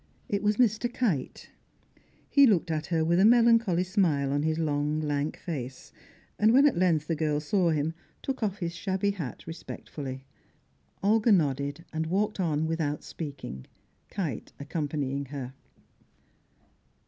It was Mr. Kite. He looked at her with a melancholy smile on his long, lank face, and, when at length the girl saw him, took off his shabby hat respectfully. Olga nodded and walked on without speaking. Kite accompanying her.